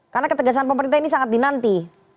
karena ketegasan pemerintah ini sangat dinanti